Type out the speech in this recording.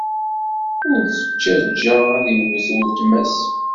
Ur t-ttajja ad iwet weltma-s.